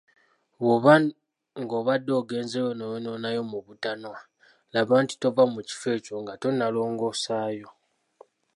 Bw‘oba ng‘obadde ogenzeeyo n‘oyonoonayo mu butanwa, laba nti tova mu kifo ekyo nga tonnalongoosaayo.